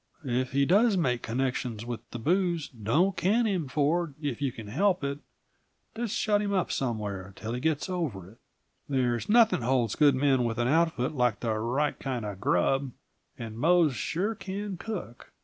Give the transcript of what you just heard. "If he does make connections with the booze, don't can him, Ford, if you can help it. Just shut him up somewhere till he gets over it. There's nothing holds good men with an outfit like the right kind of grub and Mose sure can cook.